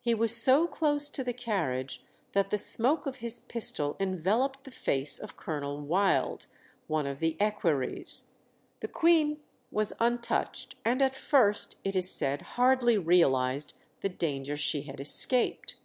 He was so close to the carriage that the smoke of his pistol enveloped the face of Colonel Wylde, one of the equerries. The Queen was untouched, and at first, it is said, hardly realized the danger she had escaped.